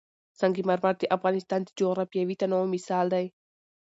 سنگ مرمر د افغانستان د جغرافیوي تنوع مثال دی.